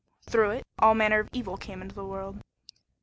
Through it all manner of evil came into the world."